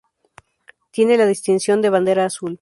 Tiene la distinción de bandera azul.